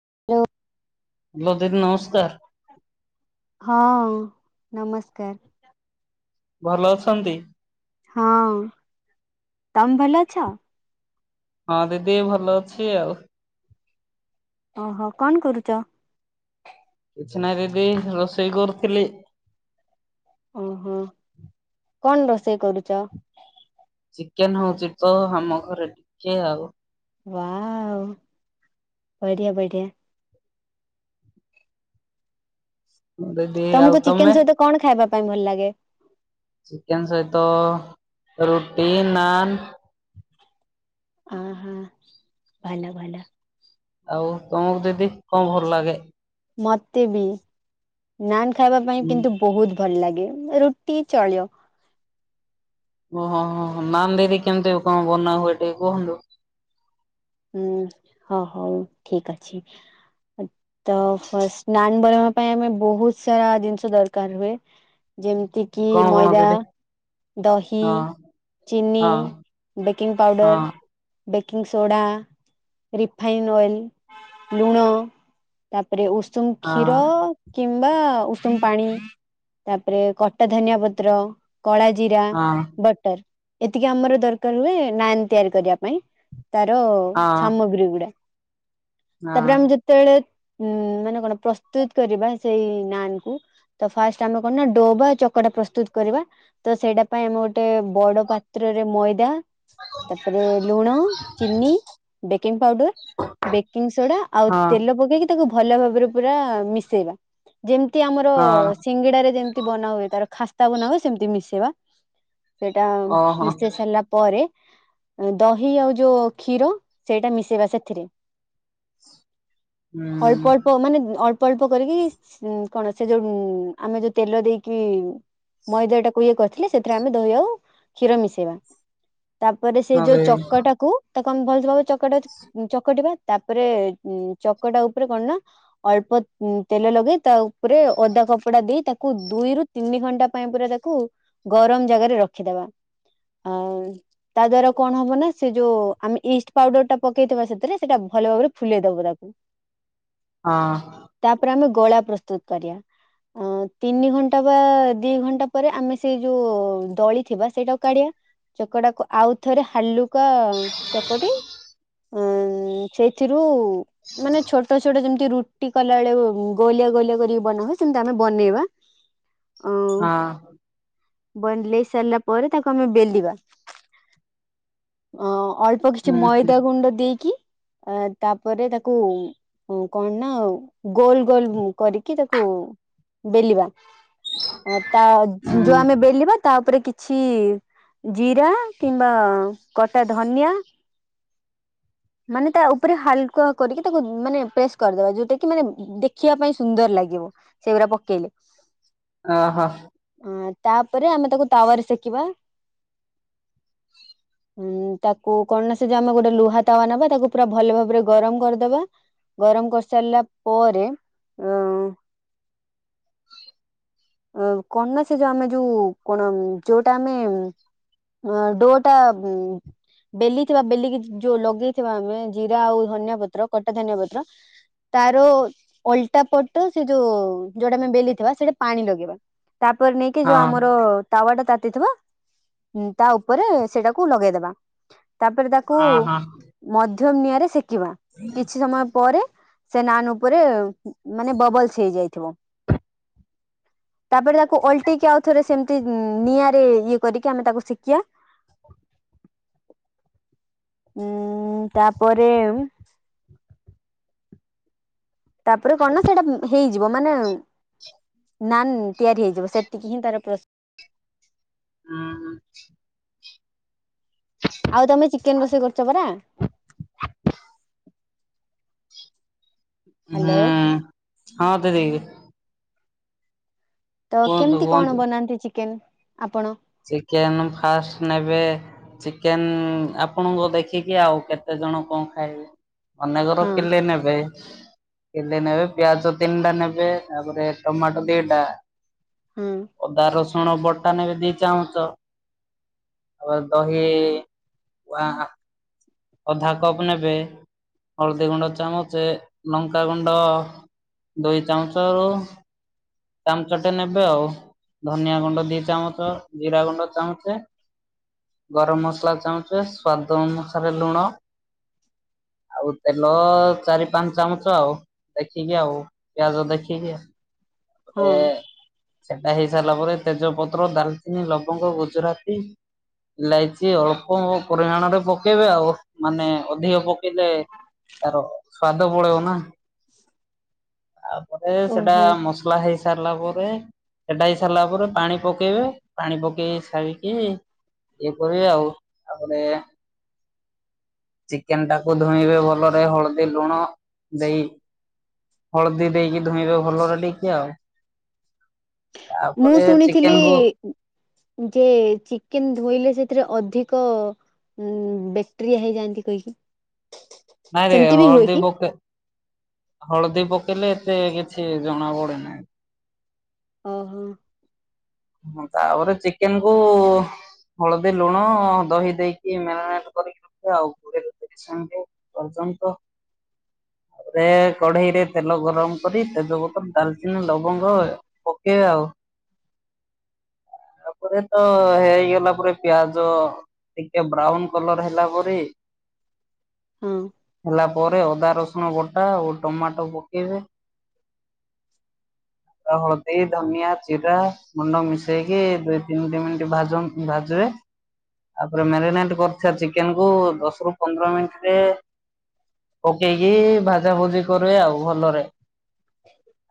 [inaudible] Hello ଦିଦି ନମସ୍କାର। ହଁ ନମସ୍କାର। ଭଲ ଅଛନ୍ତି? ହଁ, ତମେ ଭଲ ଅଛ? ହଁ ଦିଦି ଭଲ ଅଛି ଆଉ। ଓହୋ କଣ କରୁଚ? କିଛି ନାହିଁ ଦିଦି ରୋଷେଇ କରୁଥିଲି। ଓହୋ କଣ ରୋଷେଇ କରୁଚ? ଚିକେନ ହୋଉଚି ତ ଆମ ଘରେ ଟିକେ ଆଉ। ୱାଓ ବଢିଆ ବଢ଼ିଆ। ଦିଦି ଆଉ ତମୁକୁ ତମେ? ଚିକେନ ସହିତ କଣ ଖାଇବା ପାଇଁ ଭଲ ଲାଗେ? ଚିକେନ ସହିତ ରୁଟି, ନାନ୍। ଆହା ଭଲ ଭଲ। ଆଉ ତମକୁ ଦିଦି କଣ ଭଲ ଲାଗେ? ମତେ ବି ନାନ୍ ଖାଇବା ପାଇଁ କିନ୍ତୁ ବୋହୁତ୍ ଭଲ ଲାଗେ ରୁଟି ଚଳବ। ଓହୋ ହୋ ହୋ ନାନ୍ ଦିଦି କେମତି କଣ ବନାହୁଏ ଟିକ କୁହନ୍ତୁ? ହୁଁ ହଁ ହଉ ଠିକ ଅଛି ତ ଫାର୍ଷ୍ଟ ନାନ୍ ବନେଇବା ପାଇଁ ଆମେ ବହୁତ ସାରା ଜିନିଷ ଦରକାର ହୁଏ। ଯେମିତି କିି କଣ କଣ ମଇଦା। ଦିଦି ଦହି ହଁ ଚିନି ହଁ ବେକିଂ ହଁ powder. Baking soda. Refine oil ଲୁଣ ତାପରେ ଉ ଉଷୁମ କ୍ଷୀର। ହଁ କିମ୍ବା ଉଷୁମ ପାଣି ତାପରେ କଟା ଧନିଆ ପତ୍ର। କଳା ଜିରା ହଁ ବଟର। ଏତିକି ଆମର ଦରକାର ହୁଏ ନାନ୍ ତିଆରି କରିବା ପାଇଁ ତାର ହଁ ସାମଗ୍ରୀ ଗୁଡା। ତା ପରେ ଆମେ ହଁ ଯେତେବେଳେ। ଉୁଁ ମାନେ କଣ ପ୍ରସ୍ତୁତ କରିବା ସେଇ ନାନ କୁ। ତ ଫାଷ୍ଟ ଆମେ କଣ ନା ଡୋ ବା ଚକଟା ପ୍ରସ୍ତୁତ କରିବା ତ ସେଇଟା ପାଇଁ ଆମେ ଗୋଟେ ବଡ ପାତ୍ର। ରେ ମଇଦା ତାପରେ ଲୁଣ ଚିନି ବେକିଂ ପାଉଡର ବେକିଂ ସୋଡା ଆଉ ତେଲ ପକେଇକି। ତାକୁ ଭଲ ଭାବରେ ପୁରା ମିଶେଇବା ଯେମିତି ଆମର ହଁ ହଁ ସିଙ୍ଗେଡାରେ ଯେମ ଛି ବନାଏ ତାର ଖାସ୍ତା ବନା ହୁଏ ସେମିତି ମିଶେଇବା ସେଇଟା ଓହୋ ମିଶେଇ ସାରିଲା ପରେ। ଦହି ଆଉ ଯୋଉ କ୍ଷୀର ସେଇଟା ମିଶେଇବା ସେଥିରେ। ଅଳ୍ପ ହୁଁ ଅଳ୍ପ ମାନେ ଅଳ ଅଳ୍ପ ଅଳ୍ପ କରିକି ଉଁ କଣ ସେ ଯୋଉ ଉଁ ଆମେ ଯୋଉ ତେଲ ଦେଇକି। ମଇଦା ଟାକୁ ଇଏ କରିଥିଲେ ସେଥିରେ ଆମେ ଦହି ଆଉ କ୍ଷୀର ମିଶେଇବା। ତାପରେ ସେ ଯୋଉ ଚକଟାକୁ ତାକୁ ଆମେ ଭଲ ଭାବ ଚକଟଚ ଚକଟିବା ତାପରେ ଉଁ ଚକଟା ଉପରେ କଣ ନା ଅଳ୍ପ ଉଁ ତେଲ ଲଗେଇ ତା ଉପରେ ଓଦା କପଡା ଦେଇ ତାକୁ ଦୁଇରୁ ତିନି ଘଣ୍ଟା ପାଇଁ ପୁରା ତାକୁ। ଗରମ ଜାଗାରେ ରଖିଦବା। ଆଉ ତା ଦ୍ଵାରା କଣ ହବ ନା ସେ ଯୋଉ ଆମେ ଇଷ୍ଟ। ପାଉଡର ଟା ପକେଇଥିବା ସେଥିରେ ସେଟା ଭଲ ଭାବରେ ଫୁଲେଇ ଦବ ତାକୁ। ହଁ। ତାପରେ ଆମେ ଗୋଳା ପ୍ରସ୍ତୁତ କରିବା। ଅ ତିନି ଘଣ୍ଟା ବା ଦି ଘଣ୍ଟା ପରେ ଆମେ ସେଇ ଯୋଉ ଦଳି ଥିବା ସେଇଟାକୁ କାଢ଼ିବା। ଚକଟାକୁ ଆଉ ଥରେ ହାଲୁକା ଚକଟି। ଅଁ ସେଇଥିରୁ ମାନେ ଛୋଟ ଛୋଟ ଯେମ ତି ରୁଟି କଲା ବେଳେ ଉଁ ଗୋଲିଆ ଗୋଲିଆ କରିକି ବନା ହୁଏ ସେମତି ଆମେ ବନେଇବା। ଅ ବନେଇ ସାରିଲା ପରେ ତାକୁ ଆମେ ବେଲିବା ଅ ଅଳ୍ପ କିଛି ମଇ ଦେଇକି ଅ ତାପରେ ତାକୁ। ହଁ କଣ ନା ଗୋଲ ଗୋଲ କରିକି ତାକୁ ବେଲିବା। ତା ଯୋଉ ଆମେ ବେଲିବା ତା ଉପରେ କି ଛି ଜିରା କିମ୍ବା କଟା ଧନିଆ। ହ [inaudible] ମାନେ ତା ଉପରେ ହାଲକା କରିକି ତାକୁ ମାନେ ପ୍ରେସ୍ କରିଦବା ଯୋଉଟା କି ମାନେ ଦେଖିବା ପାଇଁ ସୁନ୍ଦର ଲା ଗିବ ସେଗୁରା ପକେଇଲେ। ଓ ହୋ। ହଁ ତାପରେ ଆମେ ତାକୁ ତାୱା ସେକିବା। ଉଁ ତାକୁ କଣ ନା ସେ ଜାମା କ ଲୁହା ତାୱା ନେବା ତାକୁ ପୁରା ଭଲ ଭାବରେ ଗରମ କରିଦବା ଗରମ କରିସାରିଲା ପରେ। ହଁ। ଅ କଣ ନା ସେ ଯୋଉ ଆମେ ଯୋଉ କଣ ଯୋଉଟା ଆମେ। ଅ ଡୋ ଟା ଉଁ ବେଲି ଥିବା ବେଲିକି। ଯୋଉ ଲଗେଇଥିବା ଆମେ ଜିରା ଆଉ ଧନିଆ ପତ୍ର କଟା ଧନିଆ ପତ୍ର। ତାର ଅଲଟା ପଟ ସେ ଯୋଉ ଯୋଉଟା ଆମେ ବେଲି ଥିବା ସେଇଠି ପାଣି ଲଗେଇବା। ତାପରେ ନେଇକି ଯୋଉ ଆମର ତାୱା ଟା ତା ଟି ଥିବା ତା ଉପରେ ସେଟାକୁ ଲଗେଇଦବା ତାପରେ ତାକୁ ମଧ୍ୟମ ମୁଆଁରେ ଶିଖିବା କିଛି ସମୟ ପରେ ସେ ନାନ୍ ଉପରେ ମାନେ ବବଲସ ହେଇଯାଇଥିବ। ତାପରେ ତାକୁ ଅଲଟେଇକି ଆଉ ଥରେ ସେମିତି ନିଆଁରେ ଇଏ କରିକି ଆମେ ତାକୁ ସେକିବା। [inaudible] ଉଁ ମ୍ ମ୍ ତାପରେ [inaudible] ତାପରେ କଣ ନା ସେଇଟା ଦେଇ ଯିବ ମାନେ [inaudible] ନା ତିଆରି ହେଇଯିବ ସେତିକି ହିଁ ତାର ପ୍ରୋ ହୁଁ ହୁଁ। ଆଉ ତମେ ଚିକେନ ରୋଷେଇ କରୁଛ ପରା? ହୁଁ ହ୍ୟାଲୋ ହଁ ଦେଇ ଦେ ତ କେମିତି କଣ କୁହନ୍ତୁ ବନାନ୍ତି ଚିକେନ ଆପଣ? ଚିକେନ ଫାଷ୍ଟ ନେବେ ଚିକେନ ଆପଣଙ୍କୁ ଦେଖିକି ଆଉ କେତେ ଦ ଜଣ କଣ ଖାଇବେ ଅନେକର ହଁ କିଲେ ନେବେ କିଲେ ନେବେ ପ୍ଲସ ତିନିଟା ନେବେ ତାପରେ ଟମାଟୋ ଦି ଟା ହଁ ଅଦା ରସୁଣ ବଟା ନେବେ ଦି ଚାହୁଁଛ [inaudible] ତାପ ଦହି ୱା ଅଧା କପ ନେବେ ହଳଦୀ ଗୁଣ୍ଡ ଚାମଚ ଲଙ୍କାଗୁଣ୍ଡ ଦୁଇ ଚାମଚ ର ଚାମଚ ଟେ ନେବେ ଧନିଆ ଗୁଣ୍ଡ ଦି ଚାମଚ ଜିରା ଗୁଣ୍ଡ ଚାମଚେ ଗରମ ମସଲା ଚାମଚେ ସ୍ୱାଦ ଅନୁସାରେ ଲୁଣ ଆଉ ତେଲ ଚାରି ପାଞ୍ଚ ଚାମଚେ ଆଉ ଦେଖିକି ଆଉ ପିଆଜ ଦେଖିକି ଆଉ ହୁଁ। ସେଟା ହେଇ ସାରିଲା ପରେ ତେଜପତ୍ର ଡାଲଚିନି ଲବଙ୍ଗ ଗୁଜୁରାତି ଇଲାଇଚି ଅଳ୍ପ ପରିମାଣରେ ପକେଇବେ ଆଉ ମାନେ ଅଧିକ ପ ଲେ ତାର ସ୍ଵାଦ ପଳେଇଉ ନା। ତା ପରେ ସେଟା ଓହୋ। ମସଲା ହେଇ ସାରିଲା ପରେ ପେ ସେଟା ହେଇ ସାରିଲା ପରେ ପାଣି ପକେଇବେ ପାଣି ପକେଇ ସାରିକି ଏଇପ ଆଉ ତାପରେ ଚିକେନ ଟାକୁ ଧୋଇବେ ଭଲରେ ହଳଦୀ ଲୁଣ ଦେଇ- ହଳଦୀ ଦେଇକି ଧୋଇଁବେ ଭଲରେ ଟିକେ ଆଉ। ମୁଁ ତାପରେ ଚିକେନ ଶୁଣିଥିଲି କୁ ଯେ ଚିକେନ ଧୋଇଲେ ସେ ଥିରେ ଅଧିକ ବ୍ୟାକ୍ଟେରିଆ ହେଇଯାଆନ୍ତି କହିଁକି? ନାଇଁରେ ହଳଦୀପକ ହଳଦୀପ ହେଲେ ଏତେ କିଛି ଜଣା ପଡେନାହିଁ। ଓହୋ। ହଁ ତାପରେ ଚିକେନ କୁ ହଳଦୀ ଲୁଣ ଦହି ଦେଇକି ମ୍ୟାରିନେଟ କରିକି ରଖେ ଆଉ ପୋ [unintelligible] ତାଙ୍କ ହ ଆରେ କଢେଇରେ ତେଲ ଗରମ କରି ତେଜପତ୍ର ଡାଲଚିନି ଲବଙ୍ଗ ପକେଇବା ଆଉ। [inaudible] ତାପରେ ତ ହେଇଗଲା ପରେ ପିଆଜ ଟିକେ ବ୍ରାଉନ କଲର ହେଲା ପରେ ହଁ [inaudible] ହେଲା ପରେ ଅଦା ରସୁଣ ବଟା ଓ ଟମାଟୋ ପକେଇବେ [inaudible] ହଳଦୀ ଧନିଆ ଜିରା ମୁଣ୍ଡ ମିଶେଇକି ଦୁଇ ତିନି ଦ ମିନିଟ ଭା ଭାଜି ବେ ତାପରେ ମ୍ୟାରିନେଟ କରିଥିବା ଚିକେନ କୁ ଦଶ ରୁ ପନ୍ଦର ମିନିଟ ରେ ପକେଇକି ଭାଜାଭୁଜି କରେ ଆଉ ଭଲରେ।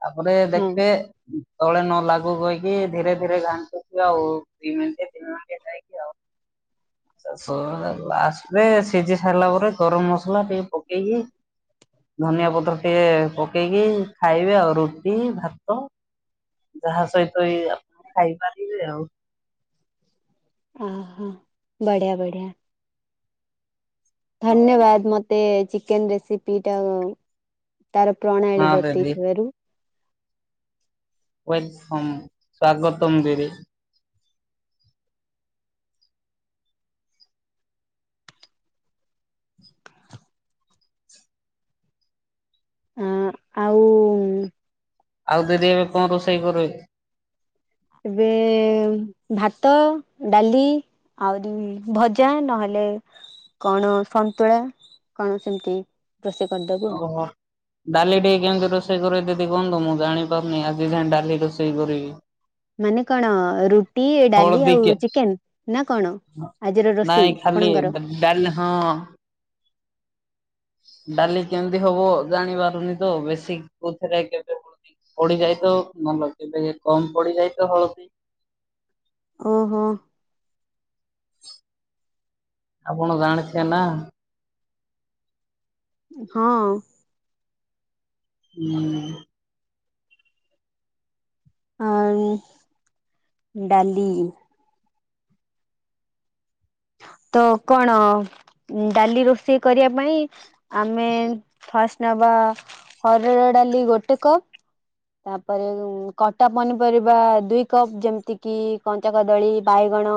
ତାପରେ ହଁ ଦେଖିବେ ତଳେ ନ ଲାଗୁ କହି କି ଧୀରେ ଧୀରେ ଘାଣ୍ଟୁଛି ଆଉ ଦିଇ ମିନିଟେ ତିନି ମିନିଟେ ଯାଇକି ଆଉ। ଶେଷ ଲାଷ୍ଟରେ ସିଝି ସାରିଲା ପରେ ଗରମ ମସଲା ଟିକେ ପକେଇକି ଧନିଆ ପତ୍ର ଟିକେ ପକେଇକି ଖାଇବେ ଆଉ ରୁଟି ଭାତ ଯାହା ସହିତ ବି ଆପଣ ଖାଇପାରିବେ ଆଉ। ଉଁ ହୁଁ ବଢିଆ ବଢିଆ ଧନ୍ୟବାଦ ମତେ ଚିକେନ ରେସିପି ଟା ତାର ହଁ ପ୍ରଣାଳୀ ଦିଦି ବତେଇଥିବାରୁ ୱେଲକମ୍ ସ୍ଵାଗତମ ଦିଦି। ଆ ଆଉ ଉ ଆଉ ଦିଦି ଏବେ କଣ ରୋଷେଇ କରିବେ। ଏବେ ଭାତ ଡାଲି ଆହୁରି ଭଜା ନହେଲେ କଣ ସନ୍ତୁଳା କଣ ସେମିତି ରୋଷେଇ କରିଦବୁ ଓହୋ ଡାଲି ଟିକେ କେମତି ରୋଷେଇ କରବେ ଦିଦ ଦେଖନ୍ତୁ ମୁଁ ଜାଣିପାରୁନି ଆଜି ଯାଇଁ ଡାଲି ରୋଷେଇ କରିବି। ମାନେ କଣ ରୁଟି ଡାଲି ଆଉ ଚିକେନ ନା କଣ? ନାଁ ଆଜିର ରୋଷେଇ ନାଇଁ ଖାଲି ବ ଡାଲି ହଁ ଅଁ ହ [inaudible] [inaudible] ଡାଲି କେମିତି ହବ ଜାଣି ପାରୁନି ତ ବେଶୀ କଉଥେରେ କେବେ ପଡ଼ୁଚି ପଡିଯାଏ ତ। ଆମର କେବେ କମ ପଡିଯାଏ ତ ହଳଦୀ। ଓହୋ, ଆପଣ ଜାଣିଥିବେ ନା? ହଁ, ହୁଁ, ଆ ଡାଲି, ତ କଣ ଡାଲି ରୋଷେଇ କରିବା ପାଇଁ ଆମେ ଫାଷ୍ଟ ନବା ହରଡ଼ ଡାଲି ଗୋଟେ କପ ତାପରେ କଟା ପନିପରିବା ଦୁଇ କପ୍ ଯେମିତି କିି କଞ୍ଚା କଦଳୀ ବାଇ ଗଣ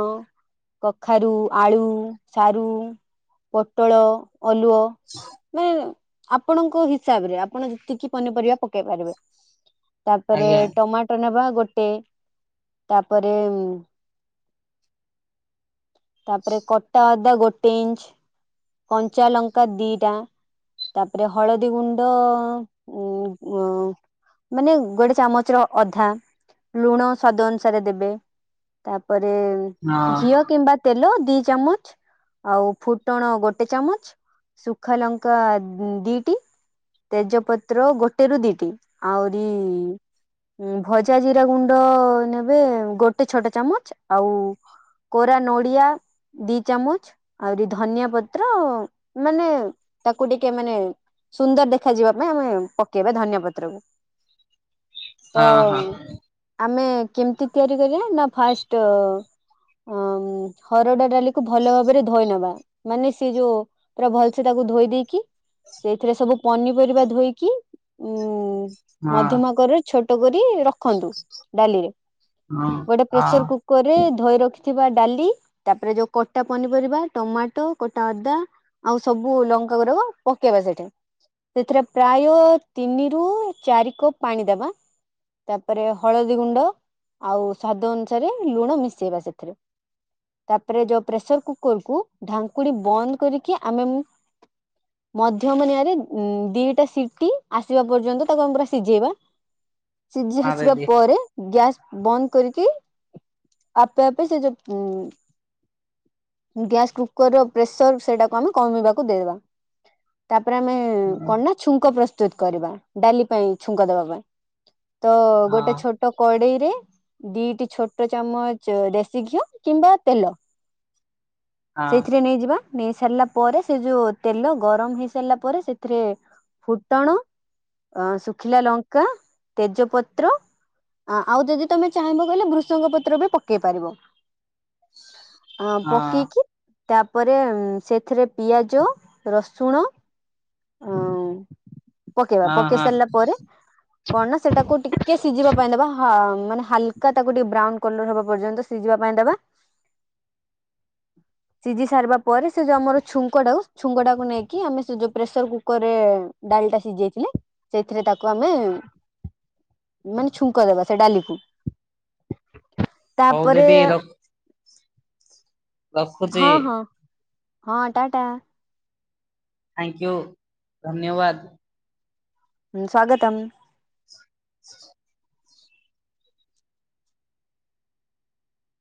କଖାରୁ ଆଳୁ ସାରୁ ପୋଟଳ ଅଲୁଅ ନେ ଆପଣଙ୍କ ହିସାବ ରେ ଆପଣ ଯେତିକି ପନିପରିବା ପକେଇ ପାରିବେ। ତାପରେ ଆଜ୍ଞା ଟମାଟୋ ନେବା ଗୋଟେ ତାପରେ, ତାପରେ କଟା ଅଦା ଗୋଟେ ଇଞ୍ଚ କଞ୍ଚା ଲଙ୍କା ଦିଟା। ତାପରେ ହଳଦୀ ଗୁଣ୍ଡ ଉଁ ଅଁ ମାନେ ଗୋଟେ ଚାମଚ ର ଅଧା ଲୁଣ ସ୍ୱାଦ ଅନୁସାରେ ଦେବେ ତା ପରେ ହଁ ଘିଅ କିମ୍ବା ତେଲ ଦି ଚାମଚ ଆଉ ଫୁଟଣ ଗୋଟେ ଚାମଚ ଶୁଖା ଲଙ୍କା ଦିଟି ତେଜପତ୍ର ଗୋଟେରୁ ଦିଟି ଆଉରି ଭଜା ଜିରା ଗୁଣ୍ଡ ନେବେ ଗୋଟେ ଛୋଟ ଚାମଚ ଆଉ କୋରା ନୋ ଦି ଚାମଚ ଆହୁରି ଧନିଆ ପତ୍ର ମାନେ ତାକୁ ଟିକେ ମା ମାନେ ସୁନ୍ଦର ଦେଖାଯିବା ପାଇଁ ଆମେ ପକେଇବା ଧନଆ ପତ୍ରକୁ। ତ ହଁ ହଁ ଅ ଆମେ କେମିତି ତିଆରି କରିବା ନା ନା ଫାଷ୍ଟ ଅଂ ହରଡ ଡାଲିକୁ ଭଲ ଭାବରେ ଧୋଇ ନବା ମାନେ ସେ ଯୋଉ ପୁରା ଭଲସେ ତାକୁ ଧୋଇ ଦେଇକି ସେଇଥିରେ ସବୁ ପନିପରିବା ଧୋଇକି ଉଁ ମଧ୍ୟମ ହଁ କରରେ ଛୋଟ କରି ରଖନ୍ତୁ ଡାଲିରେ ଗୋଟେ ହଁ ହଁ ପ୍ରେସର କୁକର ରେ ଧୋଇ ରଖିଥିବା ଡାଲି ତାପରେ ଯୋଉ କଟା ପନିପରିବା ଟମାଟୋ, କଟା ଅଦା। ଆଉ ସବୁ ଲଙ୍କା ଗୁରାକ ପକେଇବା ସେଠି। ସେଥିରେ ପ୍ରାୟ ତିନିରୁ ଚାରି କପ ପାଣି ଦେବା। ତାପରେ ହଳଦୀ ଗୁଣ୍ଡ। ଆଉ ସ୍ଵାଦ ଅନୁସାରେ ଲୁଣ ମିଶେଇବା ସେଥିରେ। ତାପରେ ଯୋଉ ପ୍ରେସର କୁକର କୁ ଢାଙ୍କୁଣି ବନ୍ଦ କରିକି ଆମେ ଏମି ମଧ୍ୟମ ନିଆଁରେ ଦିଟା ସିଟି ଆସିବା ପର୍ଯ୍ୟନ୍ତ ତାକୁ ଆମ ପୁରା ସିଝେଇବା। ସିଝି ହଁ ଆସିବା ଦିଦି ପରେ ଗ୍ୟାସ ବନ୍ଦ କରିକି ଆପେ ଆପେ ସେ ଯୋଉ ଉଁ ଗ୍ୟାସ୍ କୁକର ର ପ୍ରେସର ସେଟାକୁ ଆମେ କମିବାକୁ ଦେଇ ଦବା ତା ପରେ ଆମେ ହଁ କଣ ନା ଛୁଙ୍କ ପ୍ରସ୍ତୁତ କରିବା ଡାଲି ପାଇଁ ଛୁଙ୍କ ଦବା ପାଇଁ। ତ ହଁ ଗୋଟେ ଛୋଟ କଡେଇ ରେ ଦିଟି ଛୋଟ ଚାମଚ ଦେଶୀ ଘିଅ କିମ୍ବା ତେଲ ହଁ ସେଇଥିରେ ନେଇଯିବା। ନେଇ ସାରିଲା ପରେ ସେ ଯୋଉ ତେଲ ଗରମ ହେଇ ସାରିଲା ପରେ ସେଥିରେ ଫୁଟଣ ଅ ଶୁଖିଲା ଲଙ୍କା ତେଜପତ୍ର ଆ-ଆଉ ଯଦି ତମେ ଚାହିଁବ କହିଲେ ଭୃଷଙ୍ଗ ପତ୍ର ବି ପକେଇ ପାରିବ। ଆ ହଁ ପକେଇକି ତାପରେ ସେଥିରେ ପିଆଜ, ରସୁଣ ଅଁ ପକେଇବା ହଁ ପକେଇସାରିଲା ପରେ କଣ ନା ସେଟାକୁ ଟିକେ ସିଜିବା ପାଇଁ ଦବା ହ ମାନେ ହାଲକା ତାକୁ ଟିକେ ବ୍ରାଉନ କଲର ହବା ପର୍ଯ୍ୟନ୍ତ ସିଝିବା ପାଇଁ ଦବା। ସିଜି ସାରିବା ପରେ ସେ ଯୋଉ ଆମର ଛୁଙ୍କଟାକୁ ଛୁଙ୍କ ଟାକୁ ନେଇକି ଆମେ ସେ ଯୋଉ ପ୍ରେସର କୁକର ରେ ଡାଳିଟା ସିଝାଇଥିଲେ ସେଇଥିରେ ତାକୁ ଆମେ ମାନେ ଛୁଙ୍କ ଦବା ସେ ଡାଲିକୁ ହଉ ତାପରେ ଦିଦି ରଖୁଚି। ହଁ ହଁ ହଁ ଟାଟା। ଥ୍ୟାଙ୍କୁ ଧନ୍ୟବାଦ। ହୁଁ ସ୍ୱାଗତମ୍।